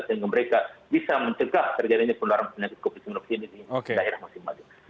sehingga mereka bisa mencegah terjadinya penularan penyakit covid sembilan belas ini di daerah masing masing